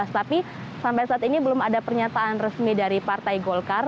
tapi sampai saat ini belum ada pernyataan resmi dari partai golkar